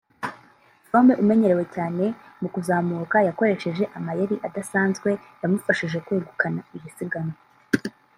Froome umenyerewe cyane mu kuzamuka yakoresheje amayeri adasanzwe yamufashije kwegukana iri siganwa